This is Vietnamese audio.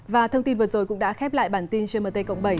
và thông tin vừa rồi cũng đã khép lại bản tin trên mt cộng bảy